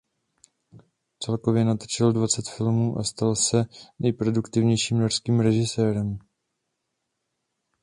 Celkově natočil dvacet filmů a stal se tak nejproduktivnějším norským režisérem.